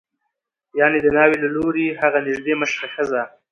یعنې د ناوې له لوري هغه نژدې مشره ښځه